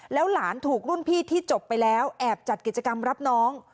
แล้วหลานถูกรุ่นพี่ที่จบไปแล้วแอบจัดกิจกรรมรับน้อง